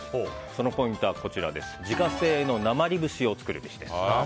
そのポイントは自家製なまり節を作るべしです。